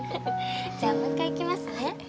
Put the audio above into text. じゃあもう１回いきますね。